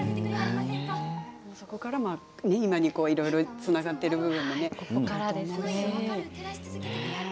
そこから今につながっている部分もね。